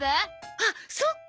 あっそっか！